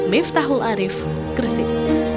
miftahul arif kresik